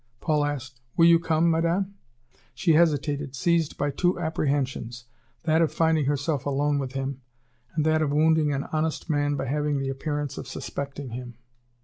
Paul asked: "Will you come, Madame?" She hesitated, seized by two apprehensions, that of finding herself alone with him, and that of wounding an honest man by having the appearance of suspecting him.